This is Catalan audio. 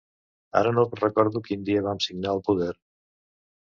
Ara no recordo quin dia vam signar el poder.